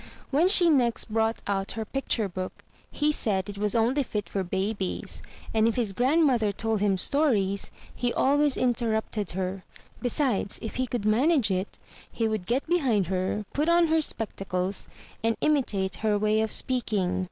When she next brought out her picture book, he said it was only fit for babies, and if his grandmother told him stories, he always interrupted her; besides, if he could manage it, he would get behind her, put on her spectacles, and imitate her way of speaking.